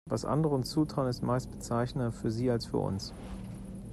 Was andere uns zutrauen, ist meist bezeichnender für sie als für uns.